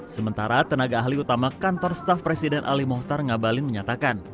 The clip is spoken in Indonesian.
sementara tenaga ahli utama kantor staf presiden ali mohtar ngabalin menyatakan